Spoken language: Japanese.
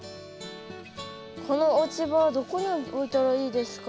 この落ち葉はどこに置いたらいいですか？